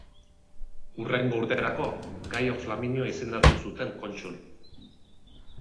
Hurrengo urterako, Gaio Flaminio izendatu zuten kontsul.